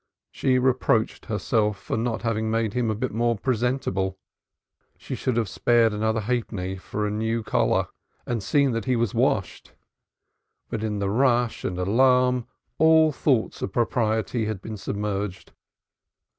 She reproached herself for not having made him a bit more presentable. She should have spared another halfpenny for a new collar, and seen that he was washed; but in the rush and alarm all thoughts of propriety had been submerged.